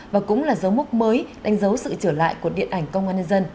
và cũng là dấu mốc mới đánh dấu sự trở lại của điện ảnh công an nhân dân